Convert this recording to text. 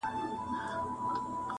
• د فرعون په سر کي تل یوه سودا وه -